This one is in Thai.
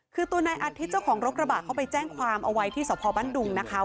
คือตัวนายอาทิตย์เจ้าของรถกระบะเขาไปแจ้งความเอาไว้ที่สพบ้านดุงนะคะ